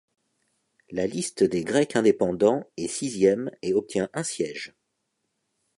La liste des Grecs indépendants est sixième et obtient un siège.